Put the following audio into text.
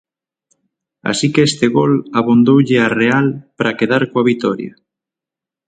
Así que este gol abondoulle á Real para quedar coa vitoria.